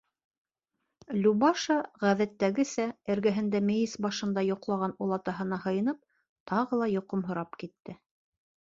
Любаша, ғәҙәттәгесә, эргәһендә мейес башында йоҡлаған олатаһына һыйынып, тағы ла йоҡомһорап китте.